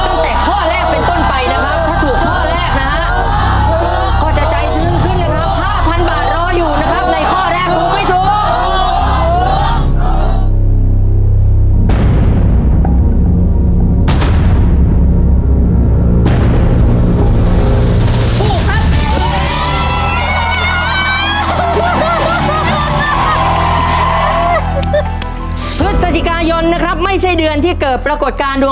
ต้องรู้นี่ถูกตั้งแต่ข้อแรกเป็นต้นไปนะครับ